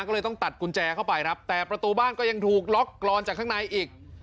ก็เลยต้องตัดกุญแจเข้าไปครับแต่ประตูบ้านก็ยังถูกล็อกกรอนจากข้างในอีก